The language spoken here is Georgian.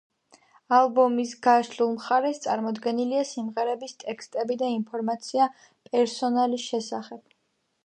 ალბომის გაშლილ მხარეს წარმოდგენილია სიმღერების ტექსტები და ინფორმაცია პერსონალის შესახებ.